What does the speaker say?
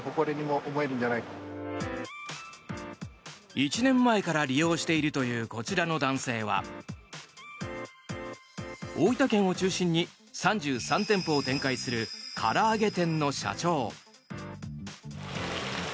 １年前から利用しているというこちらの男性は大分県を中心に３３店舗を展開するから揚げ店の社長。